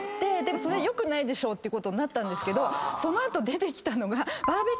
それよくないでしょうってことになったんですけどその後出てきたのが。